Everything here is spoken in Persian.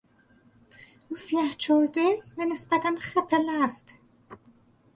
او سیه چرده و نسبتا خپل است.